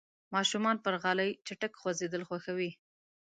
ماشومان پر غالۍ چټک خوځېدل خوښوي.